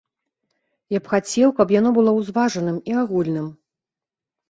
Я б хацеў, каб яно было узважаным і агульным.